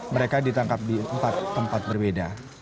mereka ditangkap di empat tempat berbeda